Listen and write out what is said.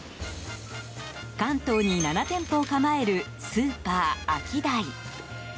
関東に７店舗を構えるスーパーアキダイ。